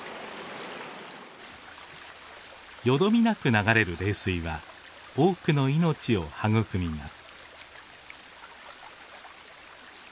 よどみなく流れる冷水は多くの命を育みます。